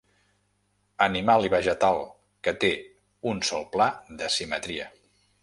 Animal i vegetal, que té un sol pla de simetria.